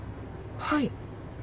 はい。